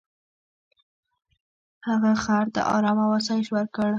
هغه خر ته ارام او آسایش ورکړ.